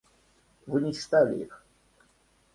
Вы не читали их.